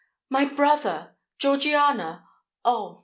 "My brother! Georgiana!—oh!